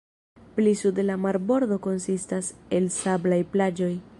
Pli sude la marbordo konsistas el sablaj plaĝoj.